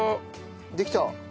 できた！